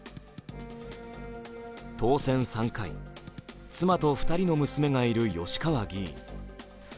当選３回、妻と２人の娘がいる吉川議員。